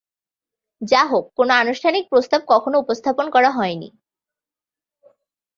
যাহোক, কোন আনুষ্ঠানিক প্রস্তাব কখনও উপস্থাপন করা হয়নি।